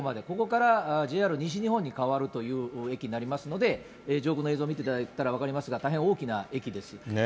ここからＪＲ西日本に変わるという駅になりますので、上空の映像を見ていただいたら分かりますが、大変大きな駅です。